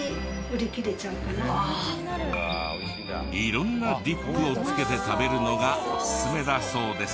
色んなディップをつけて食べるのがおすすめだそうです。